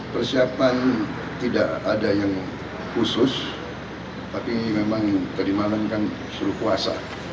persiapan tidak ada yang khusus tapi memang tadi malam kan suruh puasa